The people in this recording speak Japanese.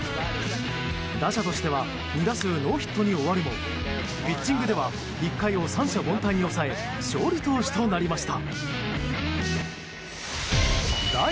打者としては２打数ノーヒットに終わるもピッチングでは１回を三者凡退に抑え勝利投手となりました。